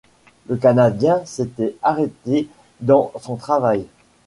Le Canadien s’était arrêté dans son travail.